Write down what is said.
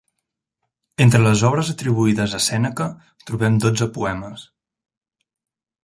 Entre les obres atribuïdes a Sèneca trobem dotze poemes.